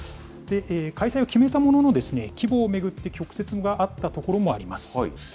開催を決めたものの、規模を巡って曲折があった所もあります。